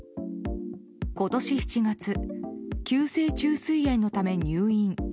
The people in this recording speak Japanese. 今年７月、急性虫唾炎のため入院。